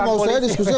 gak usah diskusinya